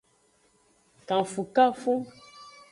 Kanfukanfu.